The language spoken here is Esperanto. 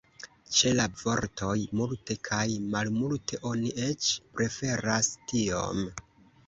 Ĉe la vortoj "multe" kaj "malmulte" oni eĉ preferas "tiom".